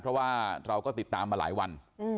เพราะว่าเราก็ติดตามมาหลายวัน